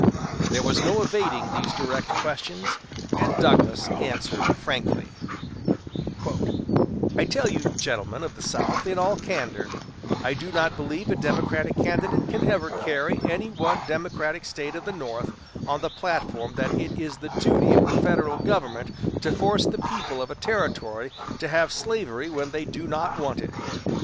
There was no evading these direct questions, and Douglas answered frankly: "I tell you, gentlemen of the South, in all candor, I do not believe a Democratic candidate can ever carry any one Democratic State of the North on the platform that it is the duty of the Federal government to force the people of a Territory to have slavery when they do not want it."